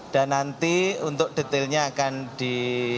dan nanti untuk detailnya akan di